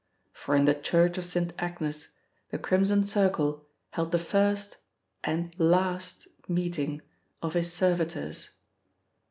For in the church of St. Agnes the Crimson Circle held the first and last meeting of his servitors.